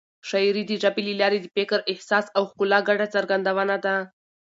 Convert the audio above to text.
شاعري د ژبې له لارې د فکر، احساس او ښکلا ګډه څرګندونه ده.